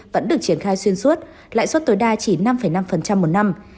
vẫn được triển khai xuyên suốt lãi suất tối đa chỉ năm năm một năm